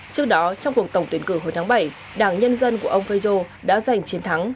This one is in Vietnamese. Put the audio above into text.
trước đó trong cuộc tổng tuyển cử hồi tháng bảy đảng nhân dân của ông feijó đã giành chiến thắng